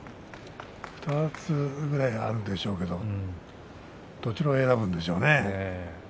２つぐらいあるでしょうけどどちらを選ぶんでしょうね。